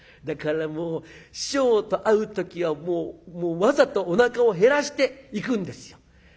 だからもう師匠と会う時はわざとおなかを減らして行くんですよ。